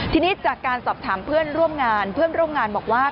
ทีนี้จากการสอบถามเพื่อนร่วมงานเพื่อนร่วมงานบอกว่า